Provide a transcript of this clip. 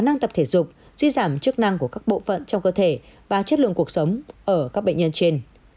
năng tập thể dục suy giảm chức năng của các bộ phận trong cơ thể và chất lượng cuộc sống ở các bệnh nhân trên